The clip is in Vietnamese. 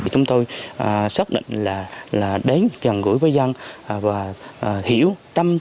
chúng tôi xác định là đến gần gũi với dân và hiểu tâm